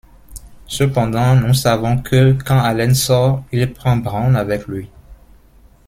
Cependant, nous savons que quand Allen sort, il prend Brown avec lui.